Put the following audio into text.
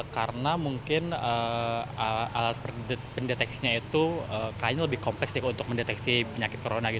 karena mungkin alat pendeteksinya itu lebih kompleks untuk mendeteksi penyakit corona